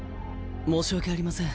申し訳ありません